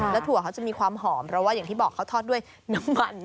แล้วถั่วเขาจะมีความหอมเพราะว่าอย่างที่บอกเขาทอดด้วยน้ำมัน